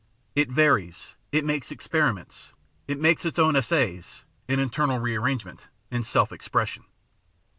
It varies, it makes experiments, it makes its own essays (in internal rearrangement) in self expression.